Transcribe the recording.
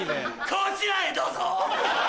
こちらへどうぞ。